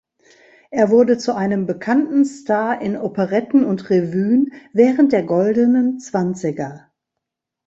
Er wurde zu einem bekannten Star in Operetten und Revuen während der Goldenen Zwanziger.